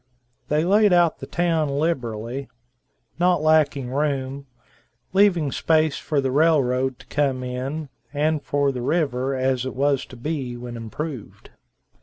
They laid out the town liberally, not lacking room, leaving space for the railroad to come in, and for the river as it was to be when improved.